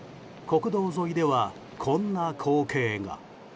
国道沿いではこんな光景が。